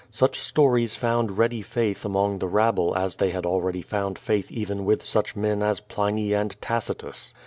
Such stories found ready faith among the rabble as they had already found faith even with such men as Pliny and Tacitus.